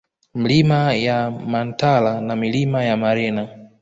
Milima ya Mantala na Milima ya Marema